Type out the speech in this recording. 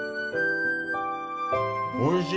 おいしい。